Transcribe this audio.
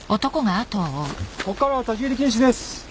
ここからは立ち入り禁止です。